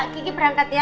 kiki berangkat ya